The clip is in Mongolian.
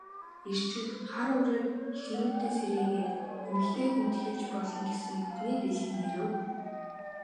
Эрчүүд хар үүрээр эхнэрүүдээ сэрээгээд эмэгтэй хүнд хэлж болно гэсэн бүхнээ дэлгэн ярив.